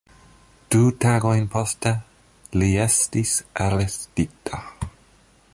Du tagojn poste, li estis arestita.